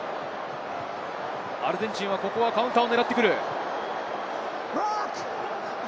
アルゼンチンはカウンターを狙ってくる。